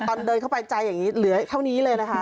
ตอนเดินเข้าไปใจอย่างนี้เหลือเท่านี้เลยนะคะ